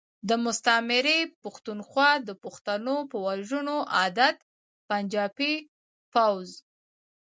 د مستعمرې پختونخوا د پښتنو په وژنو عادت پنجابی فوځ.